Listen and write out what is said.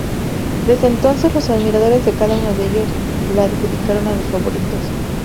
Desde entonces, los admiradores de cada uno de ellos la adjudicaron a sus favoritos.